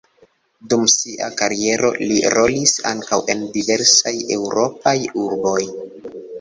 Dum sia kariero li rolis ankaŭ en diversaj eŭropaj urboj.